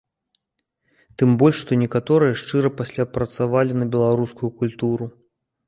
Тым больш, што некаторыя шчыра пасля працавалі на беларускую культуру.